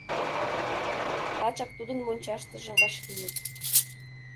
Лачак тудын мончаштыже вашлийыт.